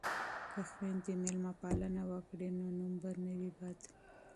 که خویندې میلمه پالنه وکړي نو نوم به نه وي بد.